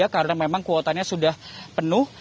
karena memang kuotanya sudah penuh